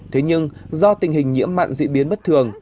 thế nhưng do tình hình nhiễm mặn diễn biến bất thường